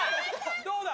どうだ！？